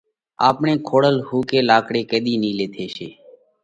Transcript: آپڻئِي کوڙل ۿُوڪئِي لاڪڙئِي ڪِيۮِي نيلئِي ٿيشي؟